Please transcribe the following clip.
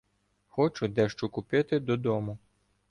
Хочу дещо купити додому.